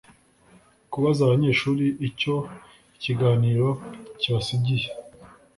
kubaza abanyeshuri icyo ikiganiro kibasigiye